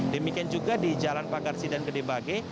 demikian juga di jalan pagarsi dan gedebage